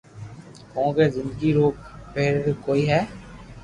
ڪونڪھ زندگي رو ڀھريري ڪوئي ھي